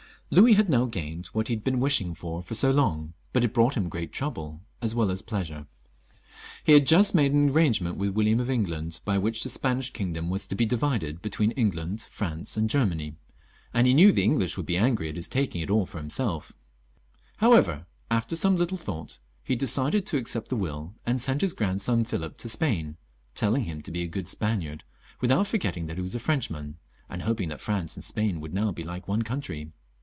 Louis had now gained what he had been wishing for so long, but it brought him great trouble as well as pleasure. He had just made an arrangement with William of Eng land, by which the Spanish kingdom was to be divided between England, France, and Germany, and he knew the English would be angry at his taking it all for himseK. However, after some little thought, he decided to accept the will, and sent his grandson Philip to Spain, telling him to be a good Spaniard, without forgetting that he was a Frenchman, and hoping that France and Spain would now be like one country.